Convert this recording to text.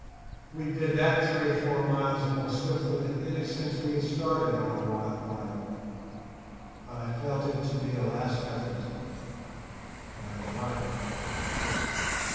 We did that three or four miles more swiftly than any since we had started on our wild ride, but I felt it to be a last effort, and I was right.